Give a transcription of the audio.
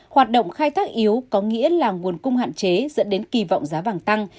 hoạt động khai thác yếu có nghĩa là nguồn cung hạn chế dẫn đến kỳ vọng giá vàng tăng